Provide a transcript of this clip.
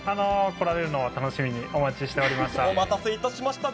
来られるのを楽しみにお待ちしておりました。